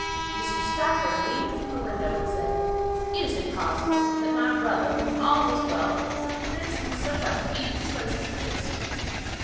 Mr. Stafford leaned from the window, and said, "Is it possible that my brother, with all his wealth, lives in such a heathen place as this?"